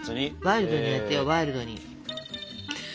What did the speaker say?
ワイルドにやってよワイルドに。